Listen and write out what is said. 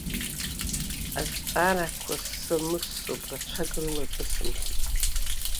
Азҵаарақәа ссамыссоуп, рацәак рылаҿысымҭит.